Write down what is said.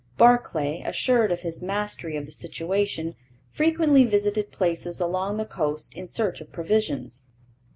Barclay, assured of his mastery of the situation, frequently visited places along the coast in search of provisions.